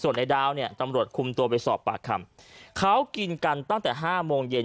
ในดาวเนี่ยตำรวจคุมตัวไปสอบปากคำเขากินกันตั้งแต่ห้าโมงเย็น